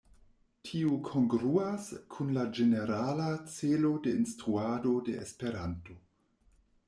Tio kongruas kun la ĝenerala celo de instruado de Esperanto.